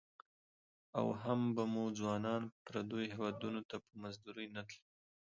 او هم به مو ځوانان پرديو هيوادنو ته په مزدورۍ نه تلى.